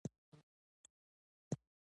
ډاکتر وويل نن به دې د پښې اكسرې واخلو.